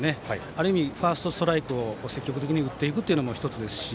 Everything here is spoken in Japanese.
ある意味ファーストストライクを積極的に打っていくのも１つですし。